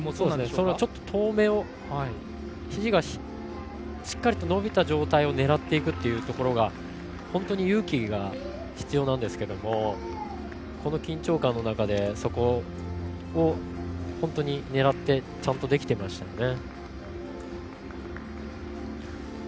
遠めをひじがしっかりと伸びた状態を狙っていくというところが本当に勇気が必要なんですけどもこの緊張感の中で、そこを狙ってちゃんとできていましたね。